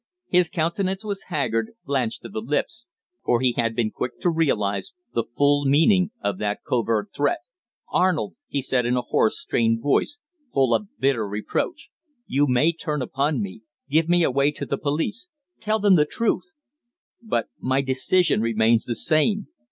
His countenance was haggard, blanched to the lips, for he had been quick to realize the full meaning of that covert threat. "Arnold!" he said in a hoarse, strained voice, full of bitter reproach, "you may turn upon me, give me away to the police tell them the truth but my decision remains the same.